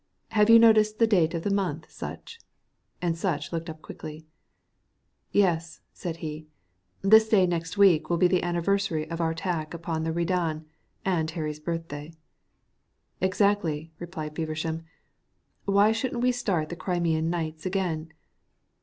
"Have you noticed the date of the month, Sutch?" and Sutch looked up quickly. "Yes," said he, "this day next week will be the anniversary of our attack upon the Redan, and Harry's birthday." "Exactly," replied Feversham. "Why shouldn't we start the Crimean nights again?"